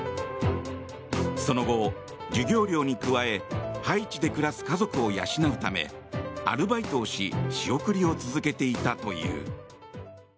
その後、授業料に加えハイチで暮らす家族を養うためアルバイトをし仕送りを続けていたという。